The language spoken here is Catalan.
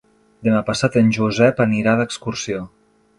Demà passat en Josep anirà d'excursió.